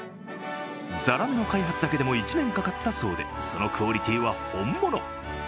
ざらめの開発だけでも１年かかったそうで、そのクオリティは本物。